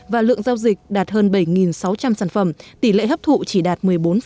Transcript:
và lượng giao dịch đạt hơn bảy sáu trăm linh sản phẩm tỷ lệ hấp thụ chỉ đạt một mươi bốn